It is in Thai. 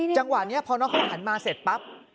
จังหวะนี้พอน้องเขาหันมาเสร็จปั๊บ